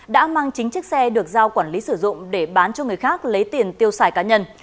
đã mang chính chiếc xe được giao quản lý sử dụng để bán cho người khác lấy tiền tiêu xài cá nhân